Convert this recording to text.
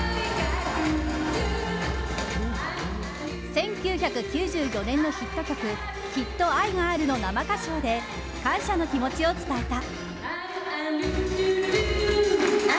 １９９４年のヒット曲「きっと愛がある」の生歌唱で感謝の気持ちを伝えた。